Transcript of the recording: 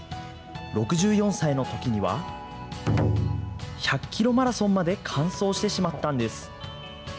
６４歳のときには、１００キロマラソンまで完走してしまったんです。